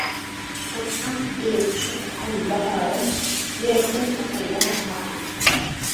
كەتتىڭ، ئېلىپ شوخلۇقۇم باھارىم، يۈرەكتىن ئەقىدەم قارارىم.